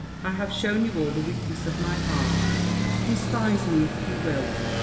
I have shown you all the weakness of my heart despise me if you will."